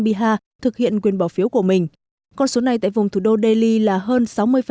bihar thực hiện quyền bỏ phiếu của mình con số này tại vùng thủ đô delhi là hơn sáu mươi